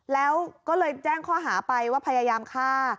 แล้วก็เลยแจ้งข้อหาไปว่าพยายามฆ่า